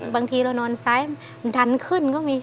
บางทีเรานอนซ้ายมันดันขึ้นก็มี